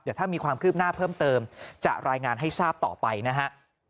เดี๋ยวถ้ามีความคืบหน้าเพิ่มเติมจะรายงานให้ทราบต่อไปนะฮะ